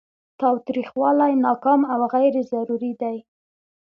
تاوتریخوالی ناکام او غیر ضروري دی.